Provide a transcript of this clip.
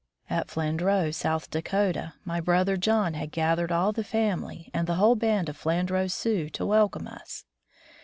At Flandreau, South Dakota, my brother John had gathered all the family and the whole band of Flan dreau Sioux to welcome us.